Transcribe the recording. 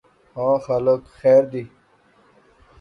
ہاں خالق خیر دی